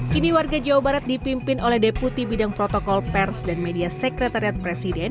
kini warga jawa barat dipimpin oleh deputi bidang protokol pers dan media sekretariat presiden